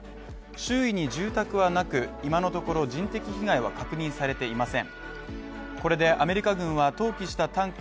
周囲に住宅はなく、今のところ人的被害は確認されていません